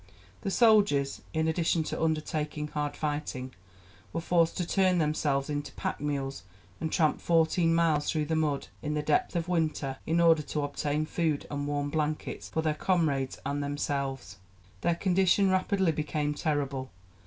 The soldiers, in addition to undertaking hard fighting, were forced to turn themselves into pack mules and tramp fourteen miles through the mud in the depth of winter in order to obtain food and warm blankets for their comrades and themselves. Their condition rapidly became terrible.